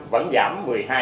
vẫn giảm một mươi hai một